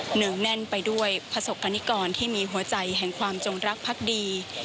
เหนือแน่นไปด้วยประสบกรณิกรที่มีหัวใจแห่งความจงรักพักดี